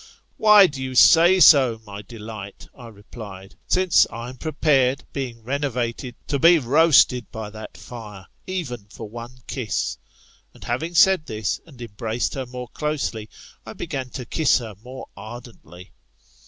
Why do you say so, my delight, I replied, since I am prepared, being renovated, to be roasted by that fire, even for one kiss? And having said this, and embraced her more closely, I began to kiss her more ardently.